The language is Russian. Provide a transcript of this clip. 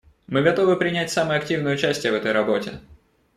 Мы готовы принять самое активное участие в этой работе.